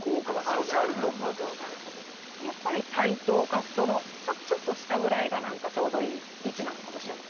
やっぱり対等かそのちょっと下ぐらいが何かちょうどいい位置なのかもしれないですね。